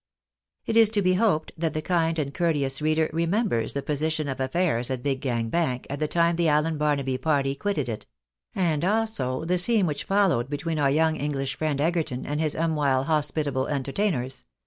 it ^^^ It is to be hoped that the kind and courteous reader remembers the position of affairs at Big Gang Bank, at the time the Allen Barnaby party qyitted it ; and also the scene which followed between our young English friend Egerton, and his umwhile hos pitable entertainers.